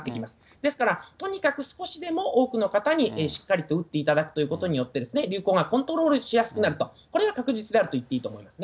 ですから、とにかく少しでも多くの方にしっかりと打っていただくということによって、流行がコントロールしやすくなると、これは確実であると言っていいと思いますね。